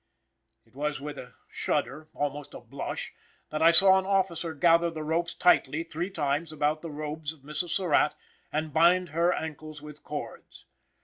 It was with a shudder, almost a blush, that I saw an officer gather the ropes tightly three times about the robes of Mrs. Surratt, and bind her ankles with cords.